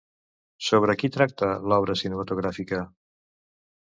Sobre qui tracta l'obra cinematogràfica?